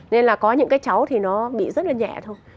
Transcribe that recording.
nên là có những cái cháu thì nó bị rất là nhẹ thôi